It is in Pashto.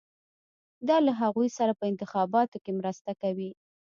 دا له هغوی سره په انتخاباتو کې مرسته کوي.